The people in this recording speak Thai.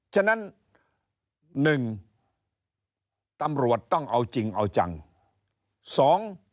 ฉะนั้นหนึ่งตำรวจต้องเอาจริงเอาจัง